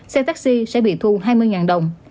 xe taxi sẽ bị thu hai mươi đồng